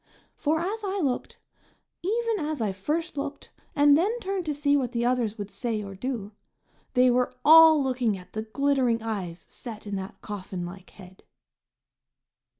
For as I looked, even as I first looked, and then turned to see what the others would say or do, they were all looking at the glittering eyes set in that coffin like head.